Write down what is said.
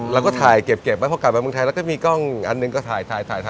เราก็ถ่ายเก็บเพราะกลับมาเมืองไทยแล้วก็มีกล้องอันหนึ่งก็ถ่าย